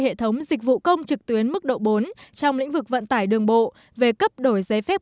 hệ thống dịch vụ công trực tuyến mức độ bốn trong lĩnh vực vận tải đường bộ về cấp đổi giấy phép